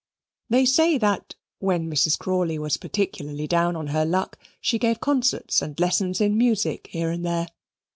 They say that, when Mrs. Crawley was particularly down on her luck, she gave concerts and lessons in music here and there.